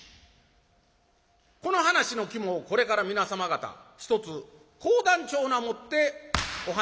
この噺の肝をこれから皆様方ひとつ講談調なもってお噺を申し上げます。